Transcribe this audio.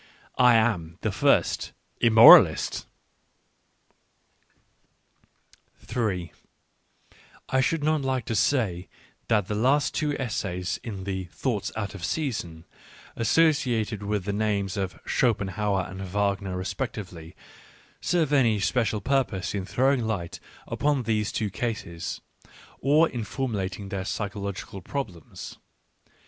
... I am the first ImrnoralisL I should not like to say that the last two essays in the Thoughts out of Season, associated with the names of Schopenhauer and Wagner respectively, serve any special purpose in throwing light upon these two cases, or in formulating their psycholo gical problems.